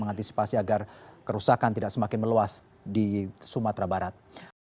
mengantisipasi agar kerusakan tidak semakin meluas di sumatera barat